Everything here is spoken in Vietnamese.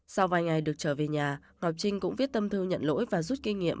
sau vài ngày được trở về nhà ngọc trinh cũng viết tâm thư nhận lỗi và rút kinh nghiệm